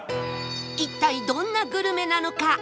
一体どんなグルメなのか？